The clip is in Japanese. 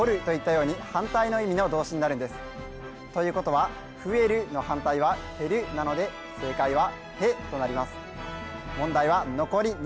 ように反対の意味の動詞になるんですということは「ふえる」の反対は「へる」なので正解は「へ」となります